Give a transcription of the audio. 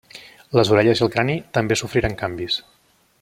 Les orelles i el crani també sofriren canvis.